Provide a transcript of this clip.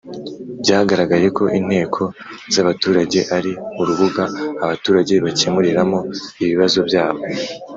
Byagaragaye ko inteko z abaturage ari urubuga abaturage bakemuriramo ibibazo byabo